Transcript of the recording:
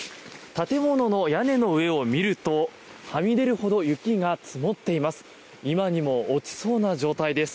建物の屋根の上を見るとはみ出るほど雪が積もっています。